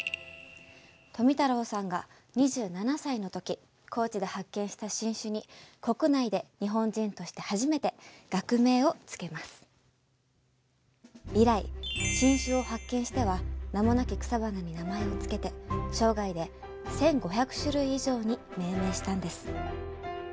富太郎さんが２７歳の時高知で発見した新種に以来新種を発見しては名もなき草花に名前を付けて生涯で１，５００種類以上に命名したんです。